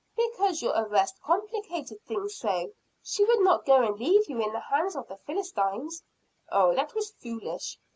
"Because your arrest complicated things so. She would not go and leave you in the hands of the Philistines." "Oh, that was foolish."